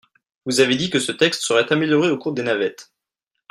Vous avez dit que ce texte serait amélioré au cours des navettes.